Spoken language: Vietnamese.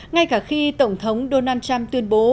ngay cả khi tổng thống donald trump tuyên bố